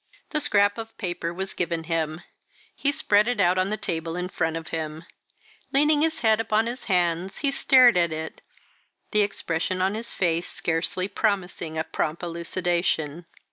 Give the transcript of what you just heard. The scrap of paper was given him. He spread it out on the table in front of him. Leaning his head upon his hands, he stared at it, the expression on his face scarcely promising a prompt elucidation.